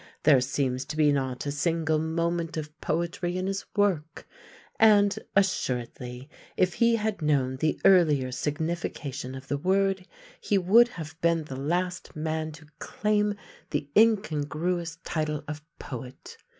There seems to be not a single moment of poetry in his work, and assuredly if he had known the earlier signification of the word he would have been the last man to claim the incongruous title of poet.